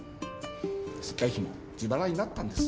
接待費も自腹になったんです。